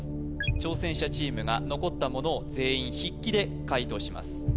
挑戦者チームが残ったものを全員筆記で解答します